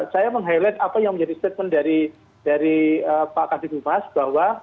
saya meng highlight apa yang menjadi statement dari pak kadin humas bahwa